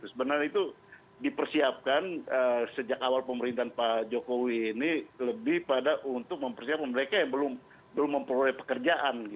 sebenarnya itu dipersiapkan sejak awal pemerintahan pak jokowi ini lebih pada untuk mempersiapkan mereka yang belum memperoleh pekerjaan